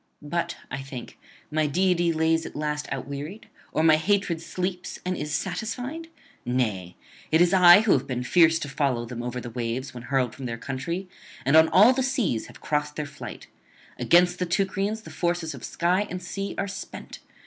But, I think, my deity lies at last outwearied, or my hatred sleeps and is satisfied? Nay, it is I who have been fierce to follow them over the waves when hurled from their country, and on all the seas have crossed their flight. Against the Teucrians the forces of sky and sea are spent.